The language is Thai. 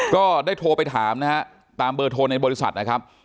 ก็ได้โทรไปถามนะฮะตามเบอร์โทรในบริษัทนะครับ